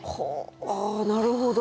なるほど。